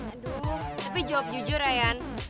aduh tapi jawab jujur rayyan